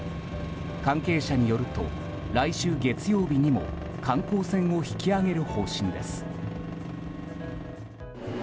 関係者によると来週月曜日にも観光船を引き揚げる方針です。